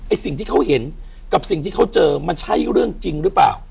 สิ่งที่เขาเห็นกับสิ่งที่เขาเจอมันใช่เรื่องจริงหรือเปล่า